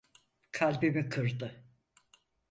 Kalbimi kırdı.